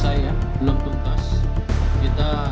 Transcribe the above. jadi pelajaran buat semuanya